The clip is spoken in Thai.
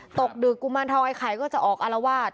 ตกดึกกุมารเทาไข่ก็จะออกอลวาด